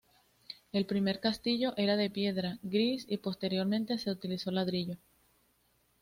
El primer castillo era de piedra gris y posteriormente se utilizó ladrillo.